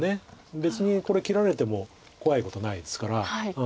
別にこれ切られても怖いことないですから。